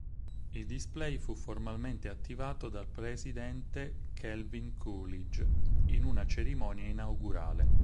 Il display fu formalmente attivato dal presidente Calvin Coolidge in una cerimonia inaugurale.